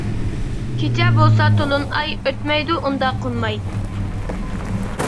كېچە بولسا تولۇن ئاي، ئۆتمەيدۇ ئۇندا قونماي.